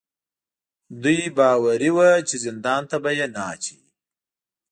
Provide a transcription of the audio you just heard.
دوی باوري وو چې زندان ته به یې نه اچوي.